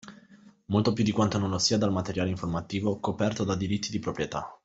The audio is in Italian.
Molto più di quanto non lo sia dal materiale informativo coperto da diritti di proprietà.